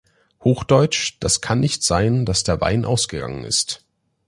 Hochdeutsch: Das kann nicht sein, dass der Wein ausgegangen ist".